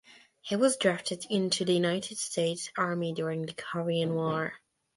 He was drafted into the United States Army during the Korean War.